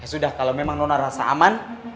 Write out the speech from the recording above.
ya sudah kalau memang nona rasa aman